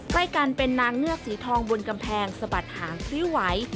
ใกล้กันเป็นนางเงือกสีทองบนกำแพงสะบัดหางซื้อไหว